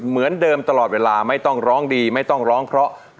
เหมือนเดิมตลอดเวลาไม่ต้องร้องดีไม่ต้องร้องเพราะ